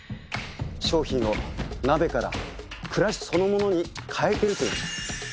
商品を鍋から暮らしそのものに変えているというのです。